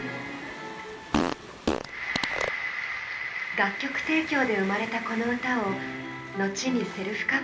楽曲提供で生まれたこの歌を後にセルフカバー。